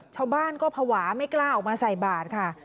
ชาวบ้านก็ภาวะไม่กล้าออกมาใส่บาทค่ะ